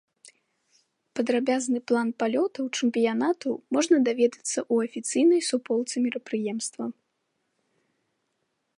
Падрабязны план палётаў чэмпіянату можна даведацца ў афіцыйнай суполцы мерапрыемства.